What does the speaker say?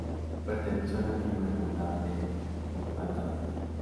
Perteneció a la antigua Hermandad del Infantado.